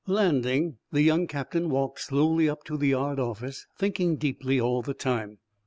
Landing, the young captain walked slowly up to the yard office, thinking deeply all the time.